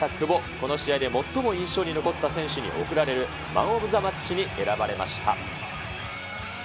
この試合で最も印象に残った選手に贈られるマンオブザマッチに選ばれました。